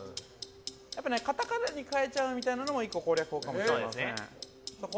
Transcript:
カタカナに変えちゃうのも攻略法かもしれません。